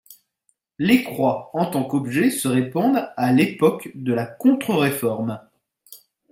Les croix en tant qu’objet se répandent à l’époque de la Contre-Réforme.